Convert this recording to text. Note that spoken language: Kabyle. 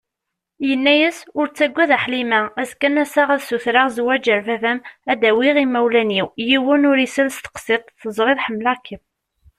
Yerra-as-d: Ur ttaggad a Ḥlima, azekka ad n-aseɣ ad sutreɣ zwaǧ ar baba-m, ad d-awiɣ imawlan-iw, yiwen ur isel tseqsiḍt, teẓriḍ ḥemmleɣ-kem.